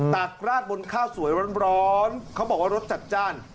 ราดบนข้าวสวยร้อนเขาบอกว่ารสจัดจ้าน